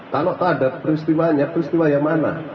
kalau tak ada peristiwanya peristiwa yang mana